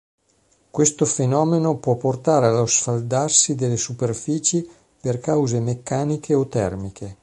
Questo fenomeno può portare allo sfaldarsi delle superfici per cause meccaniche o termiche.